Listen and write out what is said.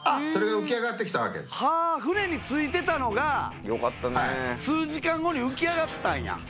それが浮き上がってきたわけですはあ船についてたのがよかったね数時間後に浮き上がったんや？